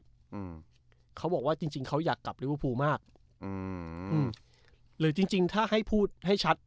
อืมเขาบอกว่าจริงจริงเขาอยากกลับลิเวอร์พูลมากอืมอืมหรือจริงจริงถ้าให้พูดให้ชัด